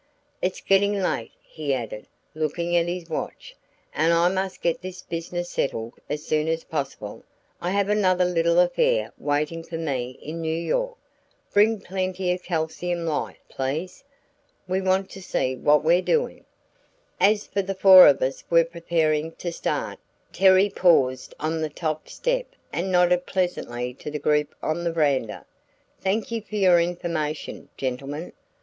"It's getting late," he added, looking at his watch, "and I must get this business settled as soon as possible; I have another little affair waiting for me in New York. Bring plenty of calcium light, please. We want to see what we're doing." As the four of us were preparing to start, Terry paused on the top step and nodded pleasantly to the group on the veranda. "Thank you for your information, gentlemen.